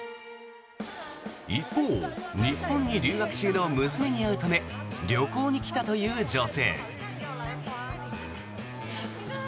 一方、日本に留学中の娘に会うため旅行に来たという女性。